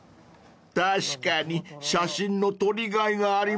［確かに写真の撮りがいがありますね］